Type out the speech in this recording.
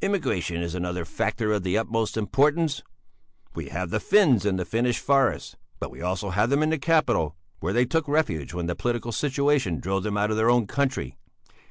"Immigration is another factor of the utmost importance. We have the Fins in the Finnish forests, but we also have them in the capital, where they took refuge when the political situation drove them out of their own country.